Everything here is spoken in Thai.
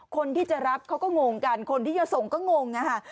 คนที่จะรับเขาก็งงกันคนที่จะส่งก็งงอะค่ะ